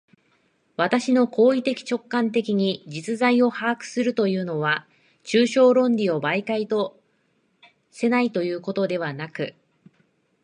私の行為的直観的に実在を把握するというのは、抽象論理を媒介とせないというのではなく、